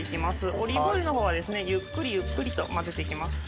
オリーブオイルはゆっくりゆっくりと混ぜて行きます。